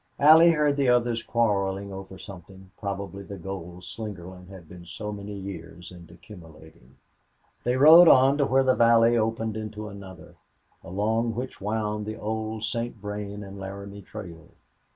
Allie heard the others quarreling over something, probably the gold Slingerland had been so many years in accumulating. They rode on to where the valley opened into another, along which wound the old St. Vrain and Laramie Trail.